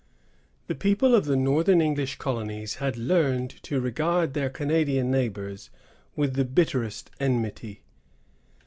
The people of the northern English colonies had learned to regard their Canadian neighbors with the bitterest enmity.